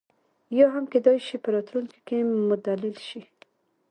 یا هم کېدای شي په راتلونکي کې مدلل شي.